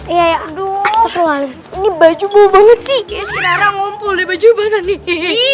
iya ya aduh ini baju banget sih ngumpul baju bahasa nih